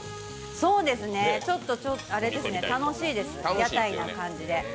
そうですね、ちょっと楽しいですね、屋台な感じで。